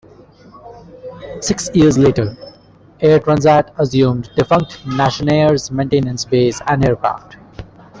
Six years later, Air Transat assumed defunct Nationair's maintenance base and aircraft.